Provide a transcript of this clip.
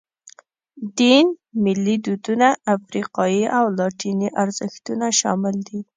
دین، ملي دودونه، افریقایي او لاتیني ارزښتونه شامل دي.